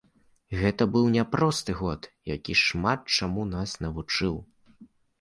Гэта быў няпросты год, які шмат чаму нас навучыў.